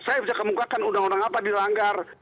saya bisa kemukakan undang undang apa dilanggar